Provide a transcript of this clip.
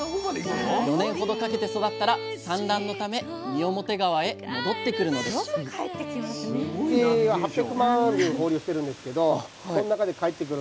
４年ほどかけて育ったら産卵のため三面川へ戻ってくるのです時は江戸時代中期。